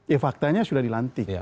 eh faktanya sudah dilantik